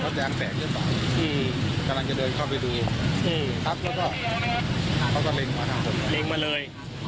ครั้งแรกอ่ะครั้งแรกก็สู้คือยิงมาก่อนแล้วไว้วิ่งนัดจอดเลย